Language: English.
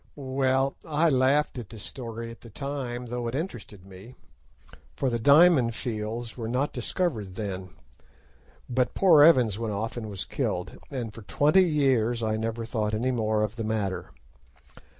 "Well, I laughed at this story at the time, though it interested me, for the Diamond Fields were not discovered then, but poor Evans went off and was killed, and for twenty years I never thought any more of the matter.